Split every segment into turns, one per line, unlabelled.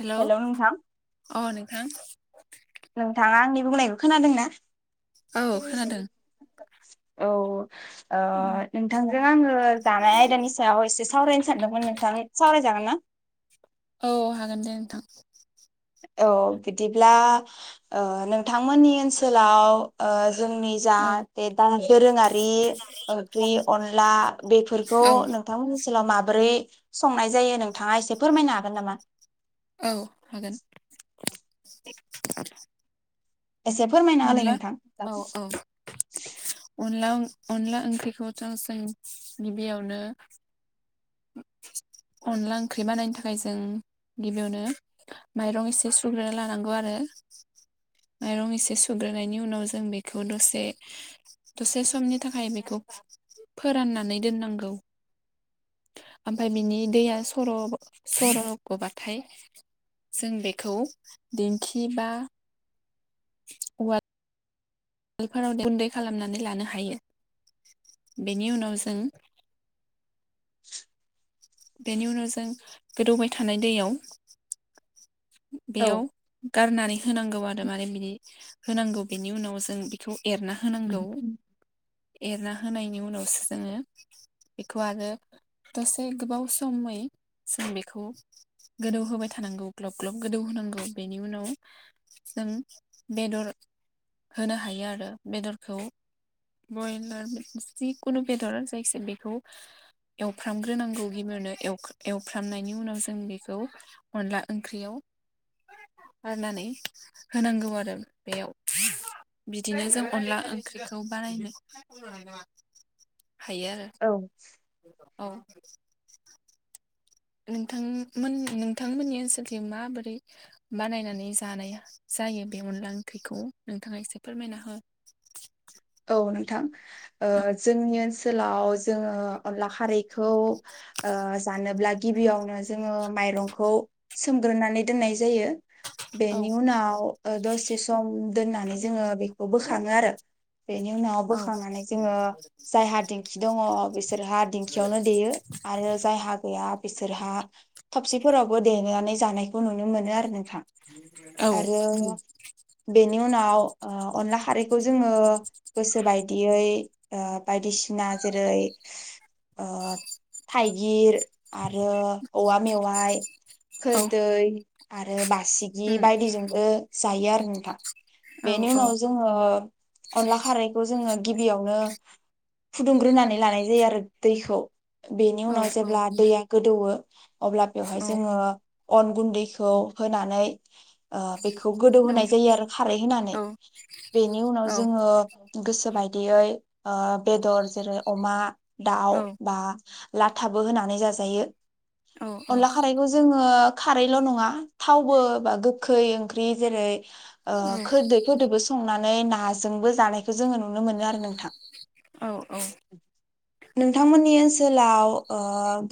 हेल
hello नोंथां
औ नोंथां
नोंथाङा आंनि बुंनायखौ खोनादों ना?
औ खोनादों,
औ ओ नोंथांजों आङो जानाय आयदानि सायाव एसे सावरायनो सानदोंमोन नोंथां सावरायजागोन ना?
औ हागोन दे [inaudible]
औ बिदिब्ला ओ नोंथांमोननि ओनसोलाव ओ, जोंनि जा
औ
बे दा दोरोङारि ओंख्रि अनला बेफोरखौ
औ
नोंथांमोन ओनसोलाव माबोरै, संनाय जायो नोंथाङा एसे फोरमायनो हागोन नामा?
औ हागोन। [inaudible]
एसे फोरमायना होलाय
अनला
नोंथां
औ
नोंथां
औ अनला अनला ओंख्रिखैथ' जों गिबियावनो अनला ओंख्रि बानायनो थाखाय जों गिबियावनो माइरं एसे सुग्रोना लानांगौ आरो माइरं एसेसु सुग्रोनायनि उनाव जों बेखौ दसे दसे समनि थाखाय बेखौ फोराननानै दोननांगौ ओमफ्राय बिनि दैया सर सर गबाथाय जों बेखौ दिखि बा। उवाद, उवालफोराव गुन्दै खालामनानै लानो हायो बेनि उनाव जों। बेनि उनाव जों गोदौबाय थानाय दैयाव।
औ
बेयाव गारनानै होनांगौ आरो माने बिनि, होनांगौ बेनि उनाव जों बेखौ। एरना होनांगौ। एरना होनायनि उनावसो जोङो बेखौ आरो दसे गोबाव समै जों बेखौ गोदौ होबाय थानांगौ ग्लब। ग्लब ग्लब गोदौ होनांगौ बेनि उनाव जों बेदर होनो हायो आरो बेदरखौ बयलार जिखुनु बेदर जायखिया बेखौ एवफ्रामग्रोनांगौ गिबियावनो एवफ्रामनायनि उनाव जों बेखौ अनला ओं ओंख्रियाव गारनानै होनांगौ आरो बेयाव बिदिनो जों अनला ओंख्रिखौ बानायनो हायो आरो
औ
औ नोंथांमोन नोंथांमोननि ओनसोलथि माबोरै बानायनानै जानाय जायो बे अनला ओंख्रिखौ नोंथाङा एसे फोरमायना हो,
अ नोंथां ओ
औ
जोंनि ओनस दोलाव जोङो अनला खारैखौ ओ जानोब्ला गिबियावनो जोङो माइरंखौ सोमग्रोनानै दोननाय जायो।
औ
बेनि उनाव दसे सम दोननानै जोङो बे औ बोखाङो आरो बेनि उनाव
औ
बोखांनानै जोङो जायहा दिंखि दङ बिसोरहा दिंखियावनो देयो आरो जायहा गैया बिसोरहा थबसिफोरावबो देनानै जानाय, बो नुनो मोनो आरो नोंथां
औ
आरो बेनि उनाव ओ अनला हारै खौ जोङो गोसो बायदियै ओ बायदिसिना जेरै ओ थाइगिर आरो औवा मेवाय
औ
खोरदै आरो बा सिगि
उम
बायदिजोंबो जायो आरो नोंथा
औ
बेनि
औ
उनाव जोङो अनला खारैखौ जोङो गिबियावनो फुदुंग्रोनानै लानाय जायो आरो दैखौ बेनि
औ
उनाव
औ
जेब्ला दैया गोदौवो अब्ला बेवहाय जोङो अन गुन्दैखौ होनानै ओ बेखौ गोदौ
औ
होनाय जायो आरो खारै होनानै
औ
बेनि उनाव
औ
जोङो गोसो बायदियै ओ बेदर जेरै अमा दाउ
औ
बा लाथाबो होनानै जाजायो। अनला खारैखौ जोङो खारैल' नङा थावबो बा गोैखै ओंख्रि जेरै ओ खोरदैफोरदोबो संनानै ना जोंबो जानायखो जोङो नुनो मोनो आरो नोंथां। नोंथांमोननि ओनसोलाव ओ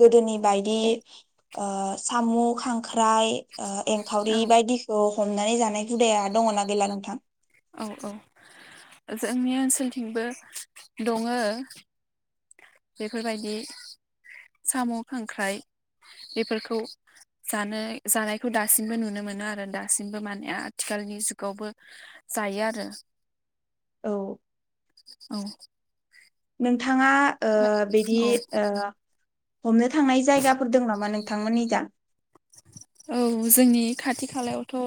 गोदोनि बायदि ओ सामु खांख्राइ एंखावरि बायदिखौ हमनानै जानाय हुदाया दङना गैला नोंथा?
औ औ जोंनि ओनसोलथिंबो दङो बेफोरबायदि साम' खांख्राइ बेफोरखौ जानो जानायखौ दासिमबो नुनो मोनो आरो दासिमबो माने आथिखालनि जुगावबो जायो आरो।
औ।
औ।
नोंथाङा ओ बिदि
औ
ओ हमनो थांनाय जायगाफोर दों नामा नों थांमोननिजा?
औ जोंनि खाथि खालायावथ'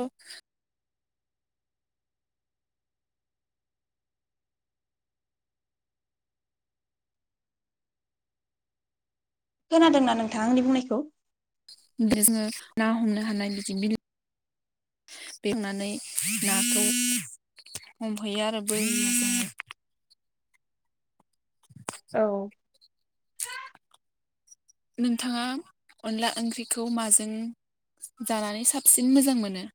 खोनादोंना नोंथाङा आंनि बुंनायखौ?
बे जोङो ना हमनो हानाय बिदि बिलो बेवनानै नाखौ हमहैयो आरो बै
औ।
नोंथाङा अनला ओंख्रिखौ माजों जानानै साबसिन मोजां मोनो?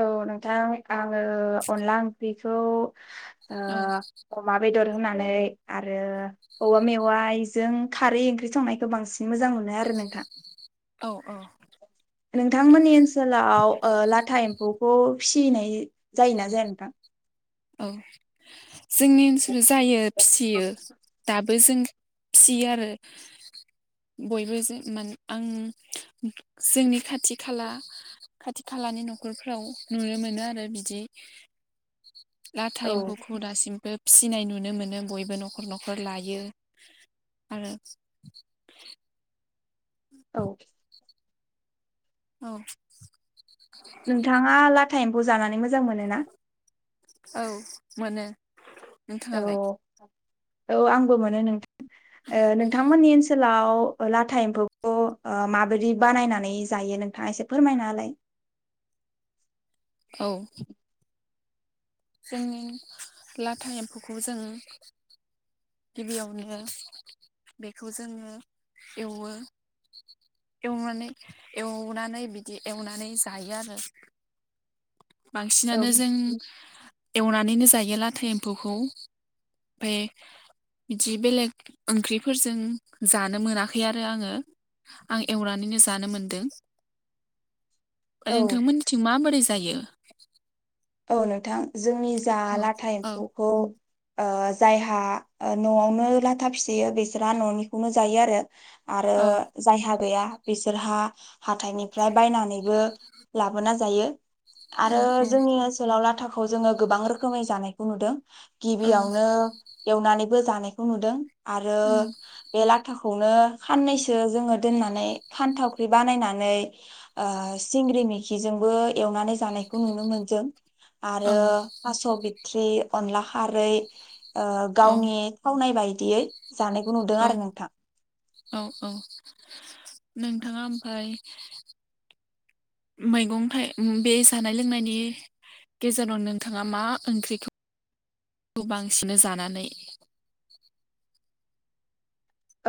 औ नोंथां आङो अनला ओंख्रिखौ ओ
औ।
अमा बेदर होनानै आरो औवा मेवाइजों खारै ओंख्रि संनायखौ बांसि न मोजां मोननाय आरो नोंथां।
औ औ
नोंथांमोननि ओनसोलाव ओ लाथा एम्फौखौ फिसिनाय जायोना जाया नोंथां?
औ जोंनि ओसोल जायो फिसियो दाबो जों फियो आरो बयबो जे मान आं जोंनि खाथि खाला खाथि खालानि नखरफ्राव नुनो मोनो आरो बिदि लाथा
औ
एम्फौखौ दासिमबो फिसिनाय नु नुनो मोनो बयबो नखर नखर लायो आरो।
औ।
औ।
नोंथांङा लाथा एम फौखौ जानानै मोजां मोनोना?
औ मोनो।
औ
नोंथांङालाय?
औ आंबो मोनो नों ओ नोंथांमोननि ओनसोल लाव लाथा एम्फौखौ ओ माबायदि बानायनानै जायो नोंथांङा एसे फोरमायना होलाय।
औ जोंनि लाथा एम्फौखौ जों गिबियावनो बेखौ जोंङो एवो एवनानै एवनानै बिदि एवनानै जायो आरो।
औ
बांसिनानो जों एवनानैनो जायो लाथा एम्फौखौ ओमफाय बिदि बेलेग ओंख्रिफोरजों जानो मोनाखै आरो आङो आं एवनानैनो जानो मोनदो।
औ
नोंथां मोननिथिं माबोरै जायो।
औ नोंथां। जोंनि जा
औ
लाथा
औ
एम्फौखौ ओ जायहा ओ नआवनो लाथा फियो बिसोरहा ननिखौनो जायो आरो। आरो
औ
जायहा गैया बिसोरहा हाथाइनिफ्राय बायनानैबो लाबोना जायो।
औ
आरो
औ
जोंनि ओ लाव लाथाखौ जोंङो गोबां रोखोमै जानायखौ नुदों।
औ
गिबियावनो एवनानै बो जानायखौ नुदों। आरो
उम
बे ला थाखौनो खाननैसो जोंङो दोननानै खानथावख्रि बानायनानै ओ सिंग्रि मैखिजोंबो एवनानै जानायखौ नुनो मोनदों।
औ
आरो थास बि थ्रि अनला खारै ओ
औ
गावनिखौ नायबाय देयै जानायखौ नुदों
औ
आरो नोंथां
औ औ नोंथाङा ओमफाय मैगं थाइ बे जानाय लोंनायनि गेजेराव नोंथाङा मा ओंख्रिखौ बांसिनो जानानै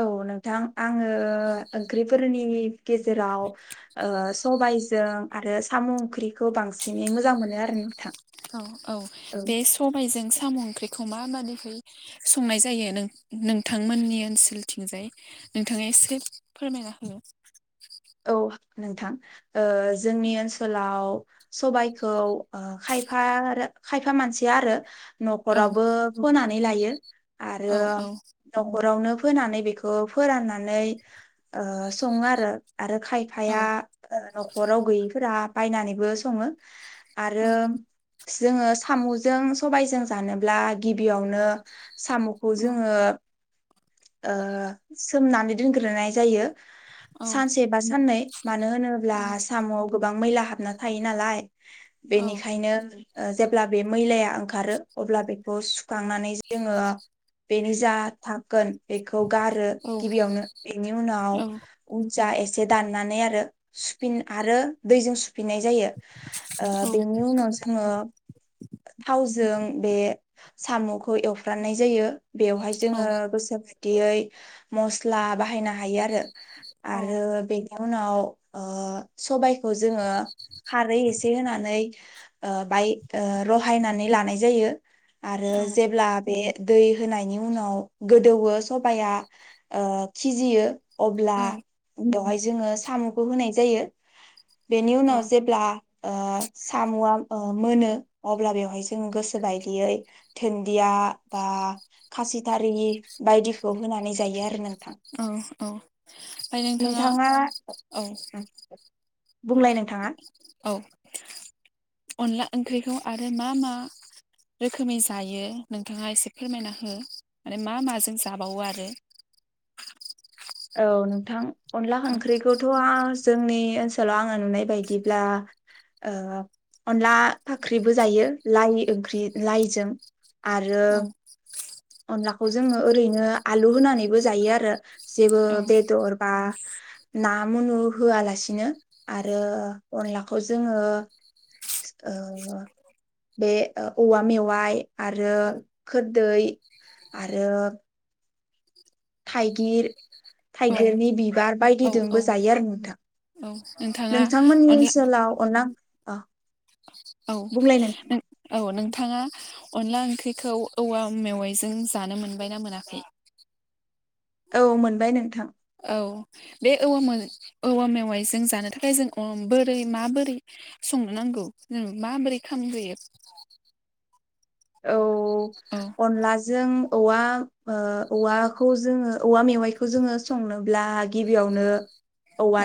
औ नोंथां। आङो ओंख्रिफोरनि गेजेराव ओ सबाइज जों आरो साम ओंख्रिखौ बांसिनै मोजां मोनो आरो नोंथां।
औ औ बे सबायजों साम' ओंख्रिखौ मााबादिहै संनाय जायो नों-नोंथांमोननि ओनसोलथिंजाय नोंथाङा एसे फोरमायना हो।
औ नोंथां। ओ जोंनि ओनसोलाव सबाइखौ खायफा रो खायफा मानसिया आरो
औ
नखरावबो फोनानै लायो आरो
औ औ
नखरावनो फोनानै बेखौ फोराननानै ओ सङो आरो आरो
औ
खायफाया ओ नखराव गैयिफोरा बायनानैबो सङो। आरो
औ
जोङो साम'जों सबायजों जानोब्ला गिबियावनो साम'खौ
औ
जोङो ओ सोमनानै दोनग्रोनाय जायो।
औ
सानसे बा साननै मानो होनोब्ला
औ
आसामावबो बां मैला हाबना थायो नालाय
औ
बेनिखायनो ओ जेब्ला बे मैलाया ओंखारो अब्ला बेखौ सुखांनानै जोङो बेनि जा थागगोन बेखौ गारो
औ
गिबियावनो बेनि उनाव
औ
जा एसे दाननानै आरो सुफिन आरो दैजों सु फिनाय जायो ओ बेनि उनाव जोङो थावजो जों बे सामखौ एवफ्राननाय जायो। बेवहाय
औ
जोङो गोसो दियै मस्ला बाहायनो हायो आरो आरो बे इनि उनाव ओ सबाय खौ जोङो खारै एसे होनानै ओ बाय रहायनानै लानाय जायो। आरो जेब्ला बे दै होनायनि उनाव गोदौवो सबाया ओ खिजियो अब्ला
औ
बेवहाय जोङो सामखौ होनाय जायो। बेनि
औ
उनाव जेब्ला ओ साम'आ ओ मोनो अब्ला बेवहाय जों गोसो बायदियै धोन्दिया बा खासिथारि बायदिखौ होनानै जायो आरो नों
औ औ ओमफ्राय नोंथां
नोंथाङा बुंलाय नोंथाङा
औ अनला ओंख्रिखौ आरो मा मा रोखोमै जायो नोंथाङा एसे फोरमायना हो, माने मा माजों जाबावो आरो
औ नोंथां अनला
औ
ओंख्रिखौथ' आज जोंनि ओनसोलाव आङो नुनाय बायदिब्ला ओह अनला फाख्रिबो जायो लाइ ओंख्रि लाइजों आरो
औ
अनलाखौ जोङो ओरैनो आलु होनानैबो जायो आरो। जेबो
औ
बेदर बा ना मुनु होआलासिनो आरो अनलाखौ जोङो ओह बे ओ-औवा मेवाइ आरो खोरदै आरो थाइगिर, थाइगिरनि बिबार
औ औ
बायदिदोंबो जायो आरो नोंथां।
औ नोंथाङा
नोंथांमोननि
अनला
ओनसोलाव अनला ओं अह
औ नों औ नोंथाङा अनला ओंख्रिखौ औवा मेवाइजों जानो मोनबाय ना मोनाखै?
औ मोनबाय नोंथां।
औ बे औवा मे औवा मेवाइजों जानो थाखाय जों अ बोरै माबोरै संनो नांगौ जों माबोरै खामग्रोयो?
औ। औ अनलाजों औवा ओ औवाखौ जोङो औवा मेवाइखौ जोङो संनोब्ला गिबियावनो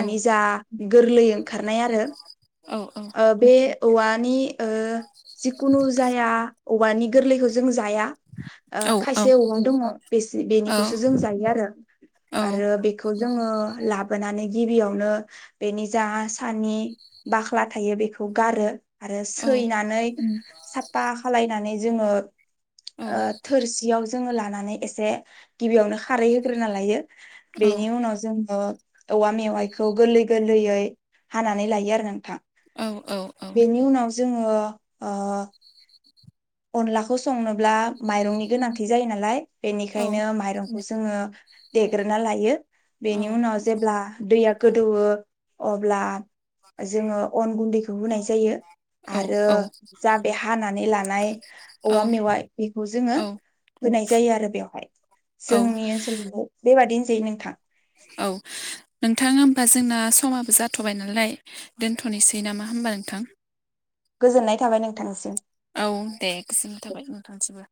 औ
जा गोरलै ओंखारनाय आरो।
औ औ
ओ बे औवा नि ओ जिखुनु जाया औवानि गोरलैखौ जों जाया। ओ
औ
खायसे औवा दङ बेनिखौसो जों जायो आरो
औ
आरो बेखौ जोङो लाबोनानै गिबियावनो बेनि जा सानि बाख्ला थायो बेखौ गारो। आरो
औ
सैनानै साफा फैनानै जोङो थोरसियाव जोङो लाना एसे गिबियावनो खारै होग्रोना लायो।
औ
बेनि उनाव जेनबा औवा मेवाइखौ गोरलै-गोरलैयै हानानै लायो आरो नोंथां।
औ औ
बेनि उनाव जोङो अ अ अनलाखौ संनोब्ला माइरंनि गोनांथि जायो नालाय बेनिखायनो माइरंखौ जोङो देग्रोना लायो। बेनि उनाव जेब्ला दैया गोदौवो अब्ला जोङो अन गुन्दैखौ होनाय जायो आरो जा बे हानानै लानाय औवा मेवाइ बेखौ जोङो
औ औ
होनाय जायो आरो बेवहाय।
औ
जोंनि ओनसोलाव बेबादिनो जायो नोंथां।
औ नों थां होमबा जोंना समाबो जाथबाय नालाय दोनथनोसै नामा होमबा नोंथां?
गोजोननाय थाबाय नोंथांनिसिम।
औ दे गोजोननाय थाबाय नोंथांनिसिमबो।